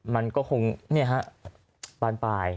มันก็คงนี่ฮะปานปลาย